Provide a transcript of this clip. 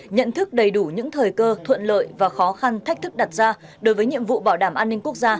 nhận thức đầy đủ những thời cơ thuận lợi và khó khăn thách thức đặt ra đối với nhiệm vụ bảo đảm an ninh quốc gia